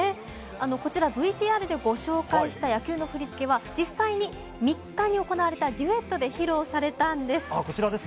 こちら、ＶＴＲでご紹介した野球の振り付けは実際に３日に行われたデュエットで披露されたんです。